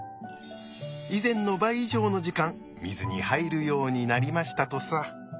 以前の倍以上の時間水に入るようになりましたとさ。